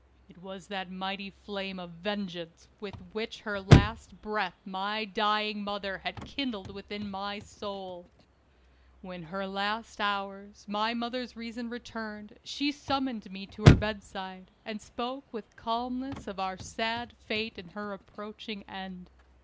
It was that mighty flame of vengeance which with her latest breath my dying mother had kindled within my soul. When in her last hours my mother's reason returned, she summoned me to her bedside, and spoke with calmness of our sad fate and her approaching end.